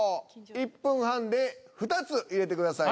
１分半で２つ入れてください。